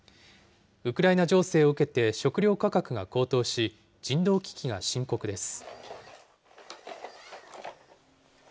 ウクライナ情勢を受けて食料価格が高騰し、人道危機が深刻です。